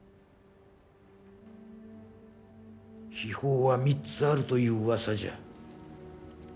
秘宝は３つあるという噂じゃ